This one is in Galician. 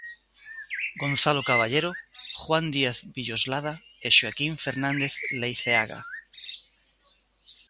Gonzalo Caballero, Juan Díaz Villoslada e Xoaquín Fernández Leiceaga.